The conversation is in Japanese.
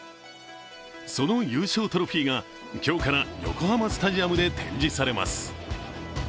その優勝トロフィーが今日から横浜スタジアムで展示されます。